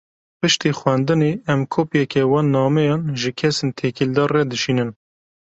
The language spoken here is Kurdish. Piştî xwendinê, em kopyeke wan nameyan, ji kesên têkildar re dişînin